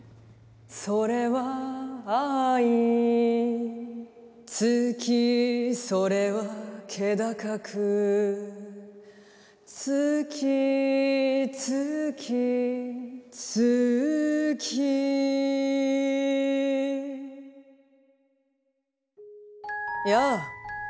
「それは愛」「月それは気高く」「月月月」やあ。